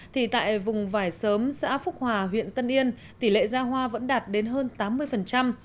thì tại vùng vải sớm xã phúc hòa huyện tân yên tỷ lệ ra hoa vẫn đạt đến hơn tám mươi